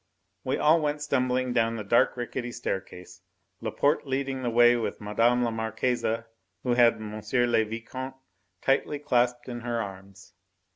We all went stumbling down the dark, rickety staircase, Laporte leading the way with Mme. la Marquise, who had M. le Vicomte tightly clasped in her arms.